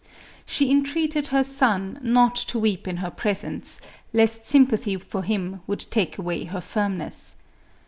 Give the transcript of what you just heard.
She entreated her son not to 10 218 MARIA THERESA. weep in her presence, lest sympathy for him would take away her firmness.